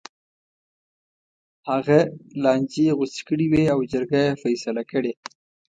هغه لانجې غوڅې کړې وې او جرګې یې فیصله کړې.